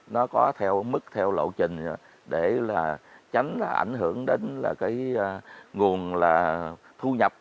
nó có theo mức theo lộ trình để là tránh ảnh hưởng đến là cái nguồn là thu nhập